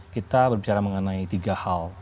kita berbicara mengenai tiga hal